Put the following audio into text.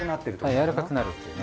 やわらかくなるっていうね。